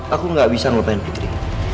aku gak bisa ngubahin putri